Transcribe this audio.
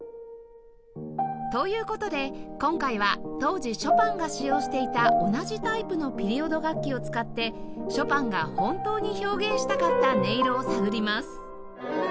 という事で今回は当時ショパンが使用していた同じタイプのピリオド楽器を使ってショパンが本当に表現したかった音色を探ります